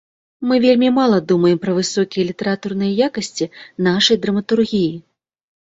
Мы вельмі мала думаем пра высокія літаратурныя якасці нашай драматургіі.